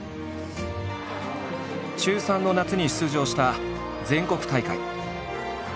中３の夏に出場した全国大会。